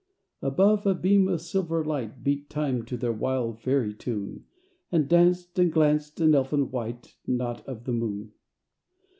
Above, a beam of silver light Beat time to their wild fairy tune, And danced and glanced, an elfin white Not of the moon.